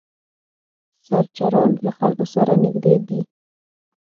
سرچران له خلکو سره نږدې دي.